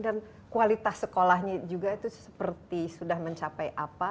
dan kualitas sekolahnya juga itu seperti sudah mencapai apa